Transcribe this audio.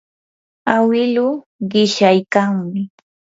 awiluu qishyaykanmi.